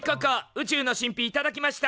宇宙の神秘いただきました。